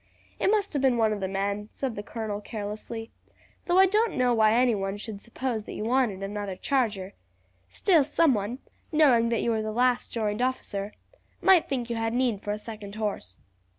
"It must have been one of the men," the colonel said carelessly, "though I don't know why anyone should suppose that you wanted another charger. Still, someone, knowing that you are the last joined officer, might think you had need for a second horse."